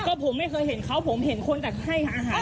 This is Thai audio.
ก็ผมไม่เคยเห็นเขาผมเห็นคนแต่ให้อาหาร